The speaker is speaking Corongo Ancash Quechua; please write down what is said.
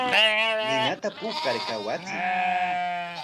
Nina puukar kawachiy.